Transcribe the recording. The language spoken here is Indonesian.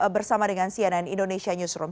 bersama dengan cnn indonesia newsroom